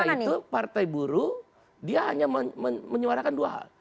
karena itu partai buruh dia hanya menyuarakan dua hal